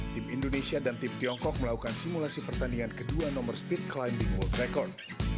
tim indonesia dan tim tiongkok melakukan simulasi pertandingan kedua nomor speed climbing world record